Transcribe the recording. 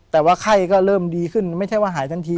แต่ว่าไข้ก็เริ่มดีขึ้นไม่ใช่ว่าหายทันที